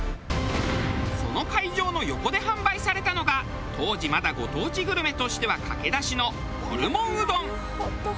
その会場の横で販売されたのが当時まだご当地グルメとしては駆け出しのホルモンうどん。